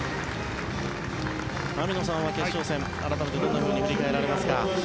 網野さんは決勝戦改めてどんなふうに振り返られますか？